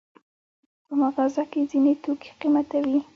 په مغازه کې ځینې توکي قیمته وي.